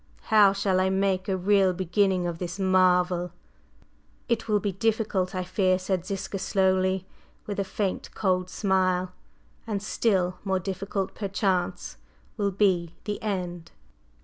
How shall I make a real beginning of this marvel?" "It will be difficult, I fear," said Ziska slowly, with a faint, cold smile; "and still more difficult, perchance, will be the end!"